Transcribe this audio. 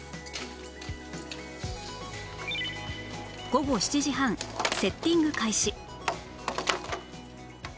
午後７時半セッティング開始